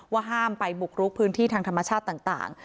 ห้ามไปบุกรุกพื้นที่ทางธรรมชาติต่าง